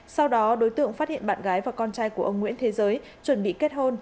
sau đó đối tượng phát hiện bạn gái và con trai của ông nguyễn thế giới chuẩn bị kết hôn